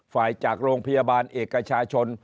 ฝ่ายจากโรงพยาบาลเอกชาชน